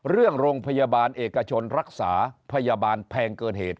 โรงพยาบาลเอกชนรักษาพยาบาลแพงเกินเหตุ